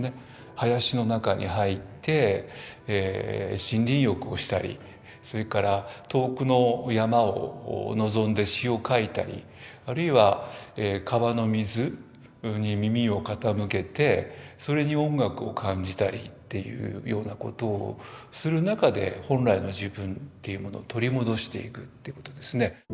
林の中に入って森林浴をしたりそれから遠くの山を望んで詩を書いたりあるいは川の水に耳を傾けてそれに音楽を感じたりというようなことをする中で本来の自分というものを取り戻していくということですね。